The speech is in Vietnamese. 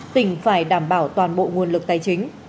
tỉnh phải đảm bảo toàn bộ nguồn lực tài chính